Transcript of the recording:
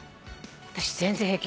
私全然平気。